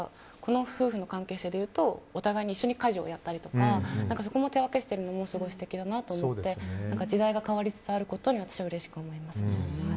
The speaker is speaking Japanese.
この夫婦の関係性でいうとお互い一緒に家事をやったりとか手分けしているのがすごい素敵だなと思って時代が変わりつつあることに私はうれしく思います。